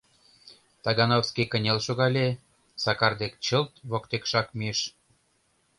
— Тагановский кынел шогале, Сакар дек чылт воктекшак мийыш.